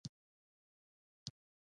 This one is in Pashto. دا سندره نوې ده